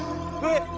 えっ？